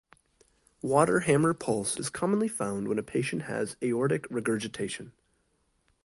Water hammer pulse is commonly found when a patient has aortic regurgitation.